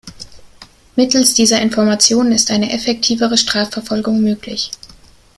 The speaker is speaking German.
Mittels dieser Informationen ist eine effektivere Strafverfolgung möglich.